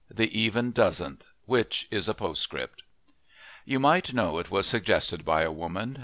THE EVEN DOZENTH, WHICH IS A POSTSCRIPT You might know it was suggested by a woman.